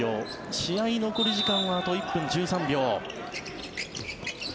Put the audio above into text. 試合残り時間はあと１分１３秒。